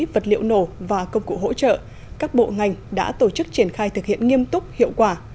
vật liệu nổ và công cụ hỗ trợ các bộ ngành đã tổ chức triển khai thực hiện nghiêm túc hiệu quả